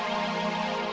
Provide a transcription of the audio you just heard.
oh kaum shande ya ibu paham